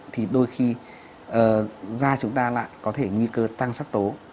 thì đôi khi da chúng ta lại có thể nguy cơ tăng sắc tố